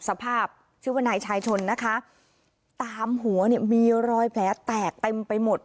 สภาพชื่อว่านายชายชนนะคะตามหัวเนี่ยมีรอยแผลแตกเต็มไปหมด